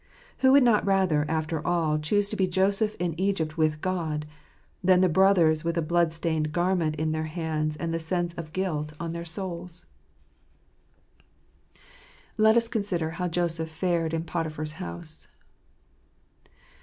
Who would not rather, after all, choose to be Joseph in Egypt with God, than the brothers with a blood stained garment in their hands and the sense of guilt on their soul ? u %\it Sorb hms fottfr bn*." 3 1 Let us consider how Joseph fared in Potiphar's house.